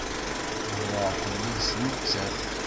Ẓriɣ-ken yid-s nettat.